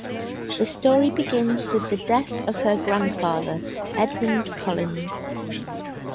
The story begins with the death of her grandfather, Edmund Collins.